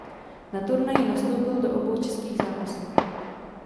Na turnaji nastoupil do obou českých zápasů.